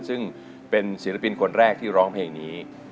ซึ่งเป็นศิลปินคนแรกที่ร้องเพลงนี้